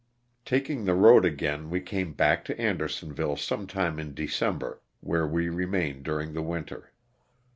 Taking the road again we came back to Andersonville sometime in December, where we remained during the winter.